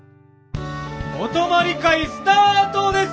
お泊まり会スタートです！